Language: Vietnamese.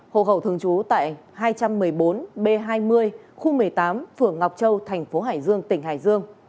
hồ hậu thường trú tại hai trăm một mươi bốn b hai mươi khu một mươi tám phường ngọc châu thành phố hải dương tỉnh hải dương